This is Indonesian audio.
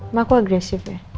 emang aku agresif ya